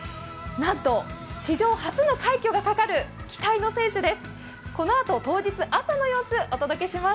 なんと史上初の快挙がかかる期待の選手です。